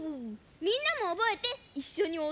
みんなもおぼえていっしょにおどってね！